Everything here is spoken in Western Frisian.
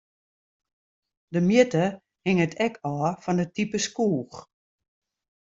De mjitte hinget ek ôf fan it type skoech.